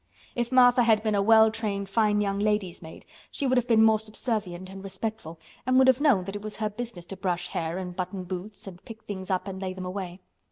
If Martha had been a well trained fine young lady's maid she would have been more subservient and respectful and would have known that it was her business to brush hair, and button boots, and pick things up and lay them away.